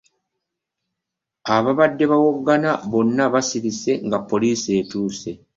Ababadde bawoggana bonna basirise nga poliisi etuuse.